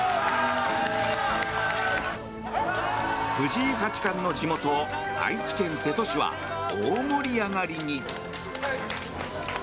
藤井八冠の地元愛知県瀬戸市は大盛り上がりに。